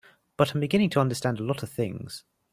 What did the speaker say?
But I'm beginning to understand a lot of things.